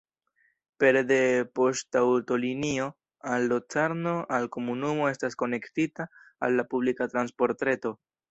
Pere de poŝtaŭtolinio al Locarno la komunumo estas konektita al la publika transportreto.